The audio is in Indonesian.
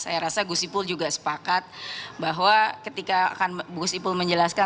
saya rasa gus ipul juga sepakat bahwa ketika gus ipul menjelaskan